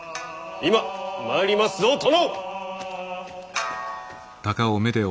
今参りますぞ殿！